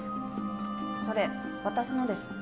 それ私のです。